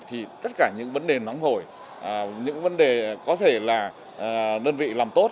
thì tất cả những vấn đề nóng hổi những vấn đề có thể là đơn vị làm tốt